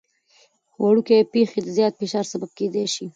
وړوکي پېښې د زیات فشار سبب کېدای شي.